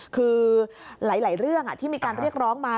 คือหลายเรื่องที่มีการเรียกร้องมา